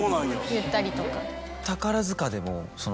言ったりとか。